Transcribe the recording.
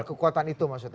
kekuatan itu maksudnya